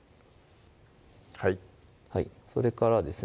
はいはいそれからですね